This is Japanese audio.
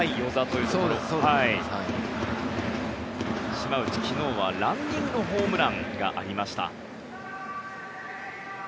島内昨日はランニングホームランがありました。